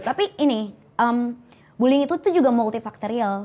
tapi ini bullying itu juga multifaktorial